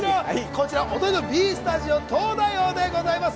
こちら、お隣のＢスタジオ、「東大王」でございます。